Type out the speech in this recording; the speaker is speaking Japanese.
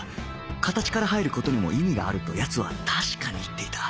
形から入る事にも意味があると奴は確かに言っていた